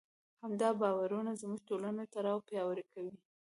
همدا باورونه زموږ ټولنیز تړاو پیاوړی کوي.